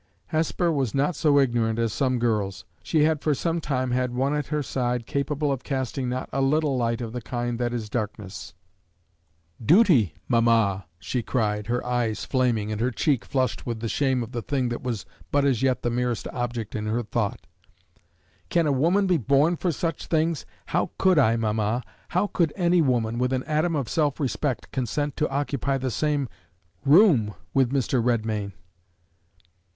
Hesper was not so ignorant as some girls; she had for some time had one at her side capable of casting not a little light of the kind that is darkness. "Duty, mamma!" she cried, her eyes flaming, and her cheek flushed with the shame of the thing that was but as yet the merest object in her thought; "can a woman be born for such things? How could I mamma, how could any woman, with an atom of self respect, consent to occupy the same room with Mr. Redmain?"